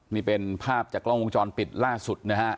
นี่เป็นภาพจากกล้องวงจรปิดล่าสุดนะฮะ